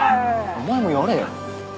お前もやれよ